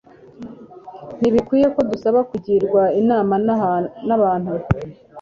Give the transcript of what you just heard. Ntibikwiriye ko dusaba kugirwa inama n'abantu,